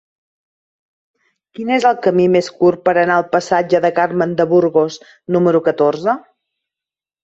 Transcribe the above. Quin és el camí més curt per anar al passatge de Carmen de Burgos número catorze?